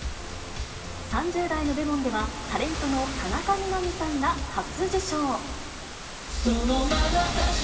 ３０代の部門では、タレントの田中みな実さんが初受賞。